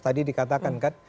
tadi dikatakan kan